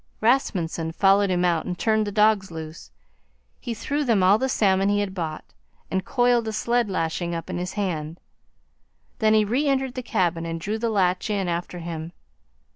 Rasmunsen followed him out and turned the dogs loose. He threw them all the salmon he had bought, and coiled a sled lashing up in his hand. Then he re entered the cabin and drew the latch in after him.